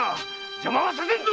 邪魔はさせんぞ！